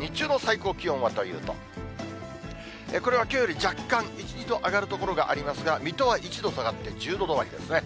日中の最高気温はというと、これはきょうより若干１、２度、上がる所がありますが、水戸は１度下がって１０度止まりですね。